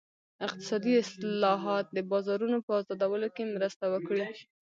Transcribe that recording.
اقتصادي اصلاحات د بازارونو په ازادولو کې مرسته وکړي.